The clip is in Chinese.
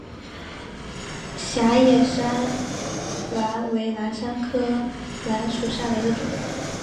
狭叶山兰为兰科山兰属下的一个种。